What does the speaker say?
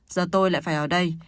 giờ tôi lại phải ở đây